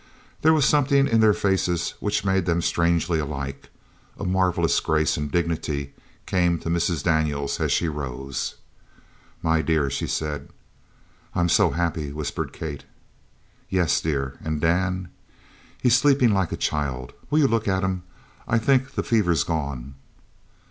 There was something in their faces which made them strangely alike. A marvellous grace and dignity came to Mrs. Daniels as she rose. "My dear!" she said. "I'm so happy!" whispered Kate. "Yes, dear! And Dan?" "He's sleeping like a child! Will you look at him? I think the fever's gone!"